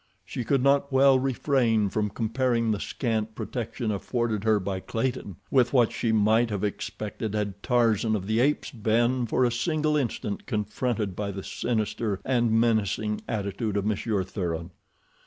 She could not well refrain from comparing the scant protection afforded her by Clayton with what she might have expected had Tarzan of the Apes been for a single instant confronted by the sinister and menacing attitude of Monsieur Thuran.